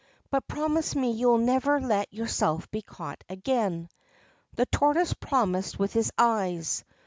But promise me you will never let yourself be caught again.' The tortoise promised with its eyes.